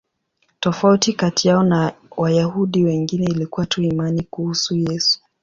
Tofauti kati yao na Wayahudi wengine ilikuwa tu imani kuhusu Yesu.